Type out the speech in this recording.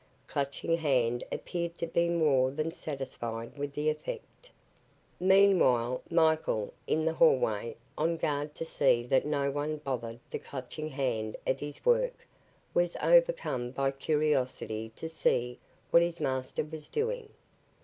Clutching Hand appeared to be more than satisfied with the effect. Meanwhile, Michael, in the hallway, on guard to see that no one bothered the Clutching Hand at his work, was overcome by curiosity to see what his master was doing.